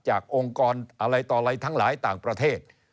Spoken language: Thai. องค์กรอะไรต่ออะไรทั้งหลายต่างประเทศ